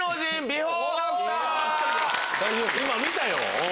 今見たよ。